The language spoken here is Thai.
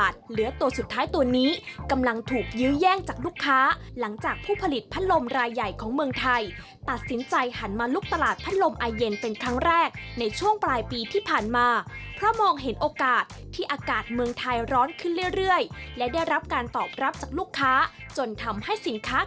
จุดกำเนิดสินค้าตัวนี้มาจากประเทศจีน